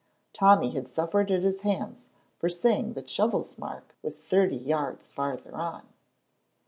Tommy had suffered at his hands for saying that Shovel's mark was thirty yards farther on.